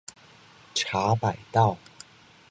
茶百道